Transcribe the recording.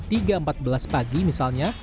tiga empat belas pagi misalnya